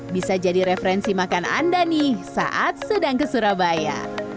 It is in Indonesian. bisa jadi referensi makan anda nih saat sedang ke surabaya